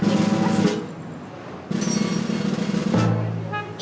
ini kan bukunya